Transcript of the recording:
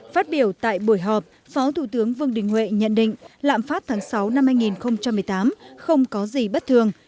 phát biểu tại buổi họp phó thủ tướng vương đình huệ nhận định lạm phát tháng sáu năm hai nghìn một mươi tám không có gì bất thường